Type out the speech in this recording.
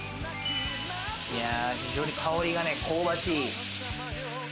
非常に香りが香ばしい。